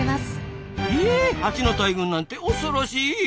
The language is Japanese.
ひえハチの大群なんて恐ろしい。